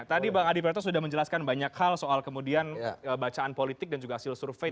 tadi bang adi praetno sudah menjelaskan banyak hal soal kemudian bacaan politik dan juga hasil survei